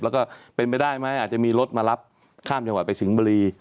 แล้วก็เป็นไปได้ไหมอาจจะมีรถมารับข้ามจังหวัดไปสิงห์บุรี